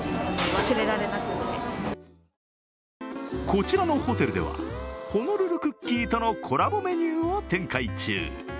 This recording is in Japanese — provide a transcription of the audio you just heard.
こちらのホテルではホノルルクッキーとのコラボメニューを展開中。